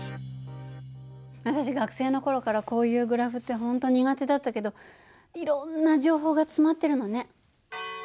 私学生の頃からこういうグラフって本当苦手だったけどいろんな情報が詰まってるのね。